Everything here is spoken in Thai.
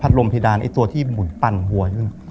ผัดลมพิดานตัวที่หมุนปั่นหัวอยู่นะ